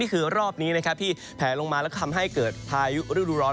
คือรอบนี้นะครับที่แผลลงมาแล้วทำให้เกิดพายุฤดูร้อน